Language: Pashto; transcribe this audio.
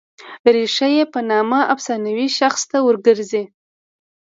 ریښه یې په نامه افسانوي شخص ته ور ګرځي.